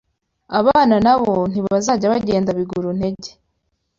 abana na bo ntibazajya bagenda biguru ntege